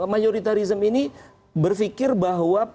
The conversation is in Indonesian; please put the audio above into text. mayoritarism ini berfikir bahwa